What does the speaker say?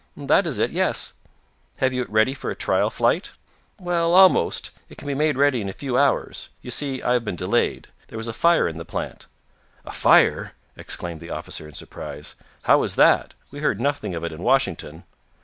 "That is it yes. Have you it ready for a trial flight?" "Well, almost. It can be made ready in a few hours. You see, I have been delayed. There was a fire in the plant." "A fire!" exclaimed the officer in surprise. "How was that? We heard nothing of it in Washington."